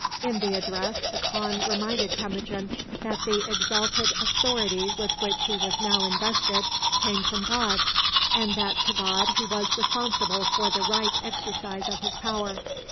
In the address the khan reminded Temujin that the exalted authority with which he was now invested came from God, and that to God he was responsible for the right exercise of his power.